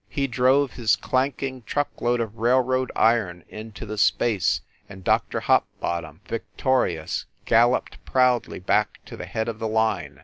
He drove his clanking truck load of railroad iron into the space and Dr. Hopbottom, victorious, galloped proudly back to the head of the line.